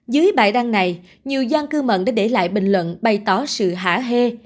dưới bài đăng này nhiều gian cư mận đã để lại bình luận bày tỏ sự hả hê